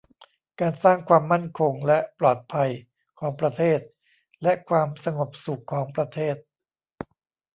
การสร้างความมั่นคงและความปลอดภัยของประเทศ และความสงบสุขของประเทศ